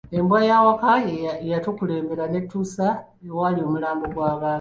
Embwa y’awaka ye yatukulembera n’etutuusa ewaali omulambo gwa baaba.